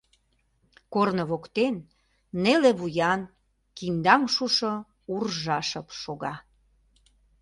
Корно воктен неле вуян, киндаҥ шушо уржа шып шога.